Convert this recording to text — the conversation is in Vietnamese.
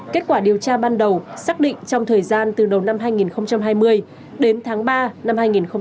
kết quả điều tra ban đầu xác định trong thời gian từ đầu năm hai nghìn hai mươi đến tháng ba năm hai nghìn hai mươi